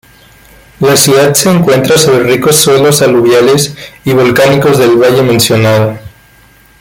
La ciudad se encuentra sobre ricos suelos aluviales y volcánicos del valle mencionado.